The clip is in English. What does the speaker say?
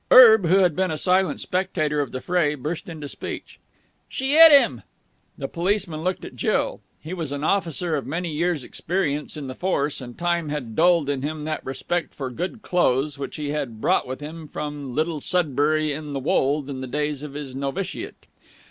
Erb, who had been a silent spectator of the fray, burst into speech. "She 'it 'im!" The policeman looked at Jill. He was an officer of many years' experience in the Force, and time had dulled in him that respect for good clothes which he had brought with him from Little Sudbury in the Wold in the days of his novitiate.